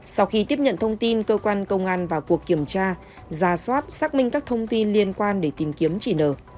sau khi tiếp nhận thông tin cơ quan công an vào cuộc kiểm tra ra soát xác minh các thông tin liên quan để tìm kiếm chỉ nở